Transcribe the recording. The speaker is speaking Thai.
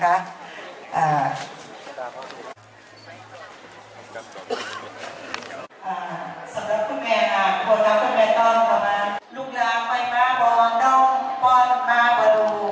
อ่าสำหรับทุกแงอ่ะควรรับทุกแงต้อนกับมาลูกลางไว้มากว่าวันดองวันมากว่าดู